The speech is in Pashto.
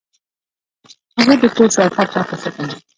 هغه د کور شاوخوا پاکه ساتله.